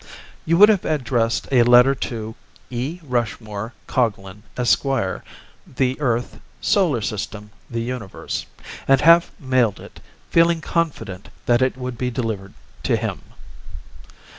You would have addressed a letter to "E. Rushmore Coglan, Esq., the Earth, Solar System, the Universe," and have mailed it, feeling confident that it would be delivered to him.